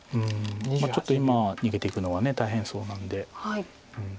ちょっと今逃げていくのは大変そうなんで。